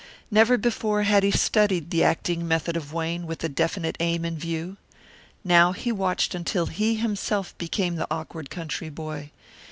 Never before had he studied the acting method of Wayne with a definite aim in view. Now he watched until he himself became the awkward country boy.